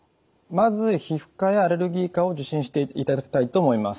まず皮膚科やアレルギー科を受診していただきたいと思います。